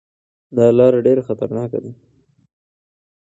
دا لاره ډېره خطرناکه ده.